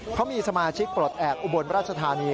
เขามีสมาชิกปลดแอบอุบลราชธานี